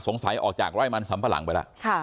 สงสัยออกจากร่อยมันสำพลังไปแล้วค่ะ